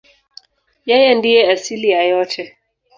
Yeye ndiye asili ya yote.